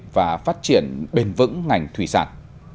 và phát triển bền vững ngành thủy sản